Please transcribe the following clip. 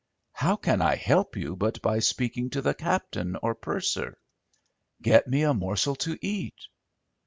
"How can I help you but by speaking to the captain or purser?" "Get me a morsel to eat."